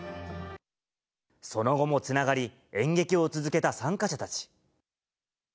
その後もつながり、演劇を続けた参加者たち。